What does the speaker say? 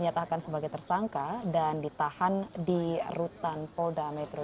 ya kita bisa mendengar